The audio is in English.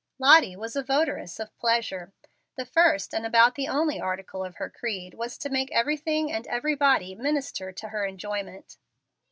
Lottie was a votaress of pleasure: the first and about the only article of her creed was to make everything and everybody minister to her enjoyment.